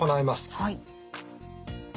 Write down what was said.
はい。